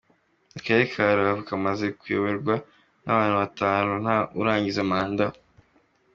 Akarere ka Rubavu kamaze kuyoborwa n’abantu batanu nta wurangiza manda.